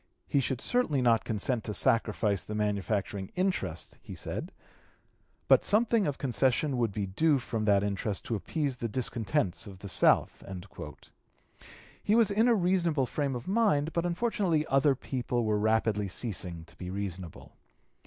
"He should certainly not consent to sacrifice the manufacturing interest," he said, "but something of concession would be due from that interest to appease the discontents of the South." He was in a reasonable frame of mind; but unfortunately other people were rapidly ceasing to be reasonable.